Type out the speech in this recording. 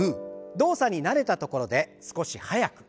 動作に慣れたところで少し速く。